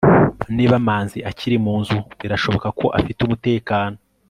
niba manzi akiri mu nzu, birashoboka ko afite umutekano